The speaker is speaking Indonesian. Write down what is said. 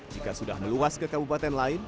jika sudah meluas ke kabupaten lain